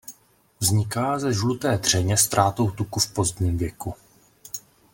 Vzniká ze žluté dřeně ztrátou tuku v pozdním věku.